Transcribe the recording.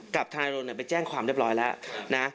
กับธนาโนไปแจ้งความเรียบร้อยแล้ว